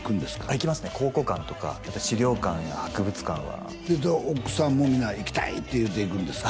行きますね考古館とか資料館や博物館は奥さんもみんな「行きたい」って言うて行くんですか？